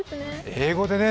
英語でね